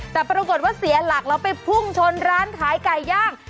แต่ปรากฏว่าเสียหลักแล้วไปพุ่งชนร้านขายไก่ย่าง